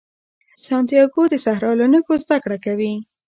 سانتیاګو د صحرا له نښو زده کړه کوي.